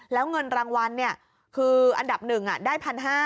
แล้วเงินรางวัลคืออันดับ๑ได้๑๕๐๐